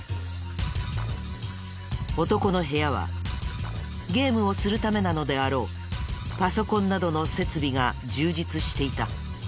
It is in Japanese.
男の部屋はゲームをするためなのであろうパソコンなどの設備が充実していた。